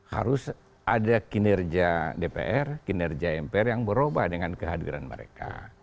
harus ada kinerja dpr kinerja mpr yang berubah dengan kehadiran mereka